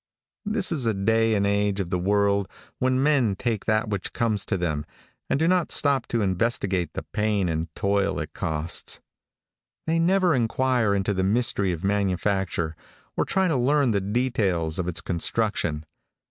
This is a day and age of the world when men take that which comes to them, and do not stop to investigate the pain and toil it costs. They never inquire into the mystery of manufacture, or try to learn the details of its construction.